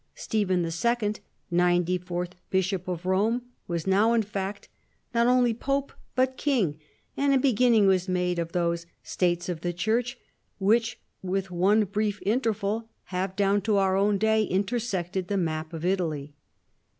Stephen II., 94th Bishop of Rome, was now •'n fact not only pope but king, and a beginning was made of those " States of the Church " which with one brief interval have down to our own day inter sected the map of Italy.